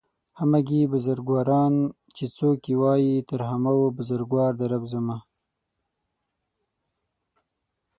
همگي بزرگواران چې څوک يې وايي تر همه و بزرگوار دئ رب زما